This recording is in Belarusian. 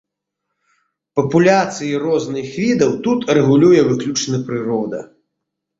Папуляцыі розных відаў тут рэгулюе выключна прырода.